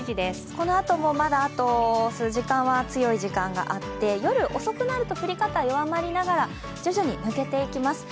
このあともまだあと数時間は強い時間があって、夜遅くなると、降り方弱まりながら徐々に抜けていきます